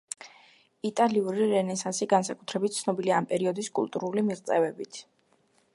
იტალიური რენესანსი განსაკუთრებით ცნობილია ამ პერიოდის კულტურული მიღწევებით.